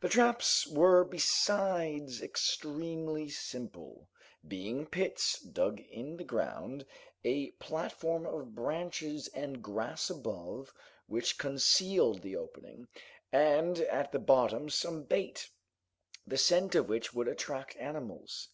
The traps were besides extremely simple; being pits dug in the ground, a platform of branches and grass above, which concealed the opening, and at the bottom some bait, the scent of which would attract animals.